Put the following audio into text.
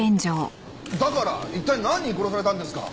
だから一体何人殺されたんですか？